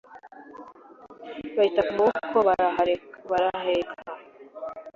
bayita ku maboko baraheka